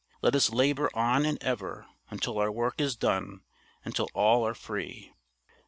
Let us labor on and ever, until our work is done, until all are free.